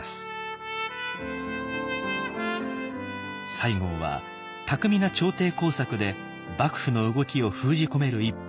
西郷は巧みな朝廷工作で幕府の動きを封じ込める一方